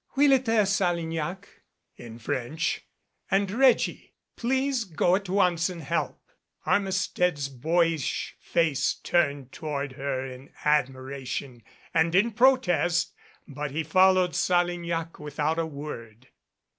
"Wheel it there, Salignac," in French, "and, Reggie, please go at once and help." Armistead's boyish face turned toward her in admira tion and in protest, but he followed Salignac without a word.